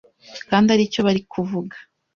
kandi aricyo bari kuvuga.